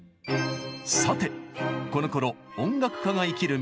さてこのころ音楽家が生きる道といえば。